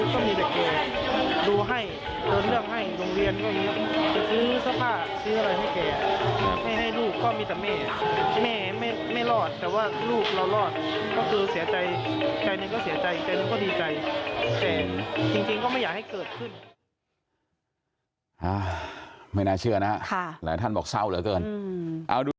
ใจหนึ่งก็เสียใจใจหนึ่งก็ดีใจแต่จริงก็ไม่อยากให้เกิดขึ้น